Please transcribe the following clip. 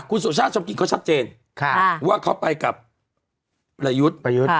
คุณสุชาติชมกิจเขาชัดเจนว่าเขาไปกับประยุทธ์ประยุทธ์